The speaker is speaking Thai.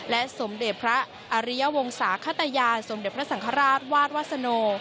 สมเด็จพระอริยวงศาขตยานสมเด็จพระสังฆราชวาดวัสโน